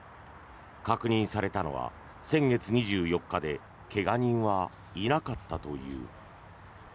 確認されたのは先月２４日で怪我人はいなかったという。